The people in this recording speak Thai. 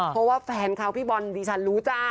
เพราะว่าแฟนเขาพี่บอลดิฉันรู้จ้า